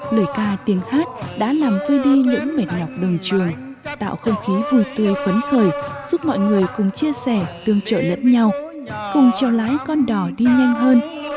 lời ca tiếng hát đã làm phơi đi những mệt nhọc đường trường tạo không khí vui tươi phấn khởi giúp mọi người cùng chia sẻ tương trợ lẫn nhau cùng treo lái con đỏ đi nhanh hơn